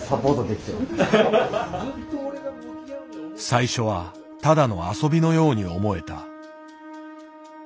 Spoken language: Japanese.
最初はただの遊びのように思えた。